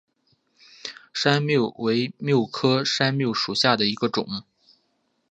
山蓼为蓼科山蓼属下的一个种。